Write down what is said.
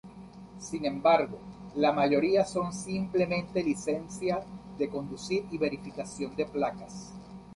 Sin embargo, la mayoría son simplemente licencia de conducir y verificación de placas.